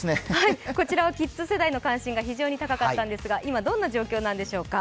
こちらはキッズ世代の関心が非常に高かったんですが、今どんな状況なんでしょうか。